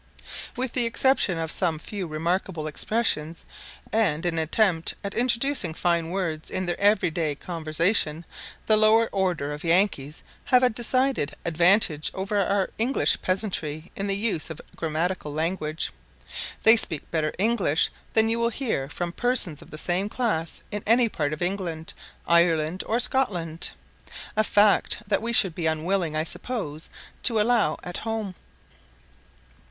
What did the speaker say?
With the exception of some few remarkable expressions, and an attempt at introducing fine words in their every day conversation, the lower order of Yankees have a decided advantage over our English peasantry in the use of grammatical language: they speak better English than you will hear from persons of the same class in any part of England, Ireland, or Scotland; a fact that we should be unwilling, I suppose, to allow at home.